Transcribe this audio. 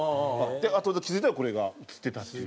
あとで気付いたらこれが映ってたっていう。